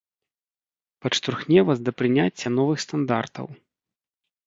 Падштурхне вас да прыняцця новых стандартаў.